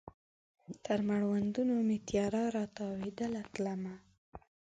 تر مړوندونو مې تیاره را تاویدله تلمه